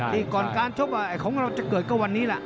ก่อนการชกของเราจะเกิดก็วันนี้แหละ